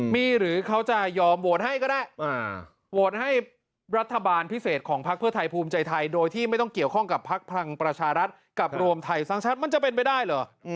มีหรือเขาจะยอมโหวตให้ก็ได้โหวตให้รัฐบาลพิเศษของพักเพื่อไทยภูมิใจไทยโดยที่ไม่ต้องเกี่ยวข้องกับพักพลังประชารัฐกับรวมไทยสร้างชาติมันจะเป็นไปได้เหรอ